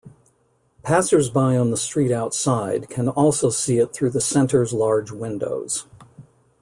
Passersby on the street outside can also see it through the Center's large windows.